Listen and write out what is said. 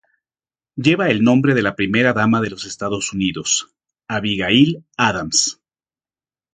Lleva el nombre de la Primera dama de los Estados Unidos Abigail Adams.